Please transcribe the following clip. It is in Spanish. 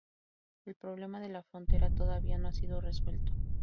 El problema de la frontera todavía no ha sido resuelto.